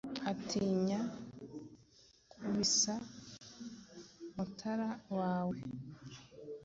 Atinya kubisa Mutara wawe !